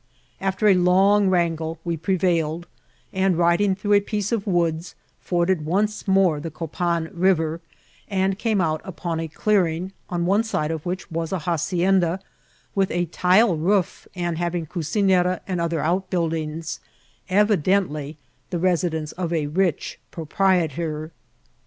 After a long wrangle we pre vailed, and, riding through a pifece of woods, forded once more the Copan River, and came out xxpoa a clear ing, on one side of which was a hacienda, with a tile roof, and having cucinera and other outbuildings, evi dently the residence of a rich proprietor.